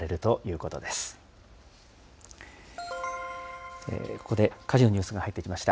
ここで火事のニュースが入ってきました。